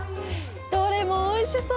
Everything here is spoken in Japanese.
どれもおいしそう！